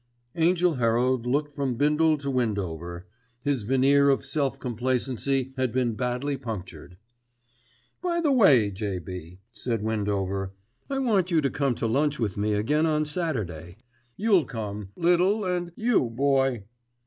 Angell Herald looked from Bindle to Windover. His veneer of self complacency had been badly punctured. "By the way, J.B.," said Windover, "I want you to come to lunch with me again on Saturday. You'll come, Little and you, Boy."